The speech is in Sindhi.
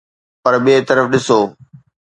پر ٻئي طرف ڏسو